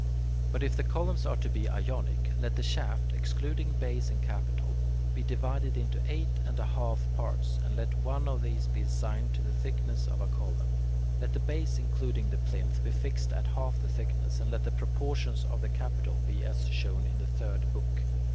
But if the columns are to be Ionic, let the shaft, excluding base and capital, be divided into eight and one half parts, and let one of these be assigned to the thickness of a column. Let the base, including the plinth, be fixed at half the thickness, and let the proportions of the capital be as shown in the third book.